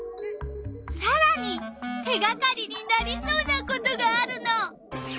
さらに手がかりになりそうなことがあるの。